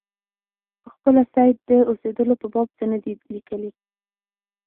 پخپله سید د اوسېدلو په باب څه نه دي لیکلي.